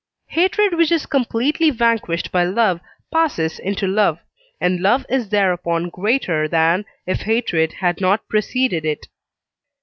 Hatred which is completely vanquished by love passes into love: and love is thereupon greater than if hatred had not preceded it.